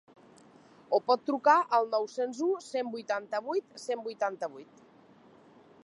O pot trucar al nou-cents u cent vuitanta-vuit cent vuitanta-vuit.